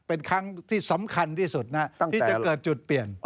เป็นครั้งที่สำคัญที่สุดนะที่จะเกิดจุดเปลี่ยน